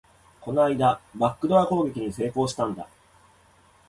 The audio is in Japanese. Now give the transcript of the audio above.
この間、バックドア攻撃に成功したんだ